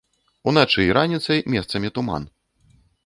Уначы і раніцай месцамі туман.